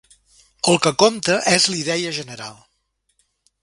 El que compta és la idea general.